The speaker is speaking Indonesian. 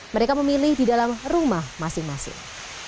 mereka memilih di dalam rumah masing masing